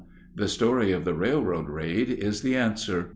The story of the railroad raid is the answer.